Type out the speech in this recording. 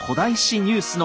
ニュースの注目